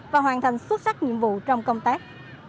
và hoàn thành xuất sắc nhiệm vụ trong công tác